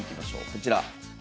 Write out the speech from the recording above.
こちら。